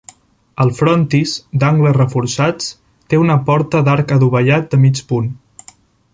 El frontis, d'angles reforçats, té una porta d'arc adovellat de mig punt.